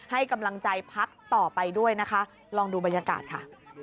ให้กำลังใจพักต่อไปด้วยนะคะลองดูบรรยากาศค่ะ